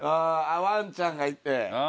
ワンちゃんがいて。